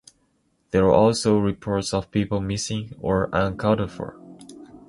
There were also reports of people missing or unaccounted for.